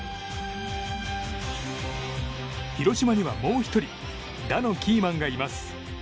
広島にはもう１人打のキーマンがいます。